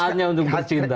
saatnya untuk bercinta